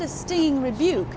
dan penyakit yang mengejutkan